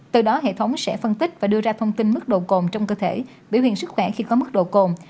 từ đó hệ thống sẽ phân tích và đưa ra thông tin mức độ cồn trong cơ thể biểu hiện sức khỏe khi có mức độ cồn